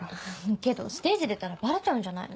けどステージ出たらバレちゃうんじゃないの？